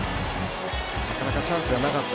なかなかチャンスがなかった。